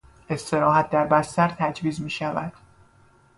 استراحت در بستر تجویز میشود.